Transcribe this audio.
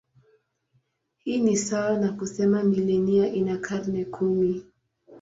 Hii ni sawa na kusema milenia ina karne kumi.